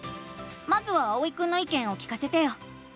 まずはあおいくんのいけんを聞かせてよ！